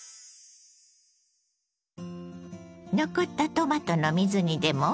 残ったトマトの水煮でもう一品！